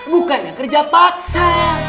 bukannya kerja paksa